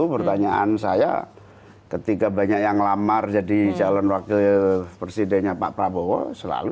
pertanyaan saya ketika banyak yang lamar jadi calon wakil presidennya pak prabowo selalu